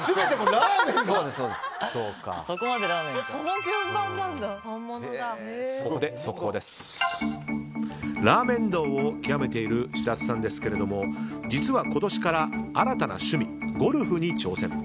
ラーメン道を極めている白洲さんですけども実は今年から新たな趣味ゴルフに挑戦。